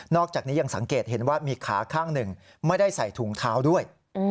อกจากนี้ยังสังเกตเห็นว่ามีขาข้างหนึ่งไม่ได้ใส่ถุงเท้าด้วย